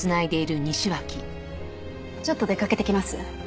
ちょっと出かけてきます。